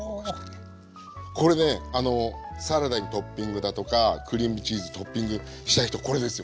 これねサラダにトッピングだとかクリームチーズトッピングしたい人これですよ